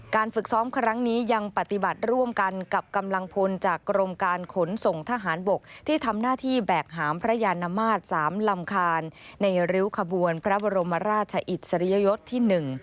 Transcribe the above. ฝึกซ้อมครั้งนี้ยังปฏิบัติร่วมกันกับกำลังพลจากกรมการขนส่งทหารบกที่ทำหน้าที่แบกหามพระยานมาตร๓ลำคาญในริ้วขบวนพระบรมราชอิสริยยศที่๑